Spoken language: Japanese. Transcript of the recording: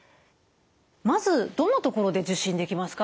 まずどんなところで受診できますか？